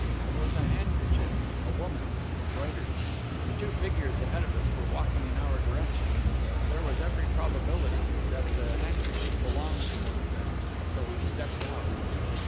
It was a handkerchief a woman's embroidered "The two figures ahead of us were walking in our direction; there was every probability that the handkerchief belonged to one of them; so we stepped out....